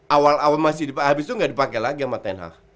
awal awal masih habis itu gak dipake lagi sama tnh